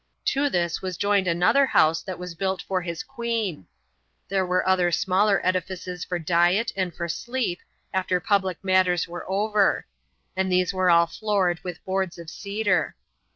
To this was joined another house that was built for his queen. There were other smaller edifices for diet, and for sleep, after public matters were over; and these were all floored with boards of cedar.